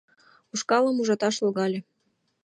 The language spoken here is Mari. Ушкалым ужаташ логале.